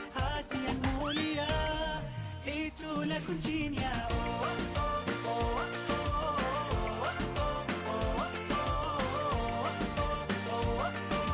hati yang mulia itulah kuncinya untuk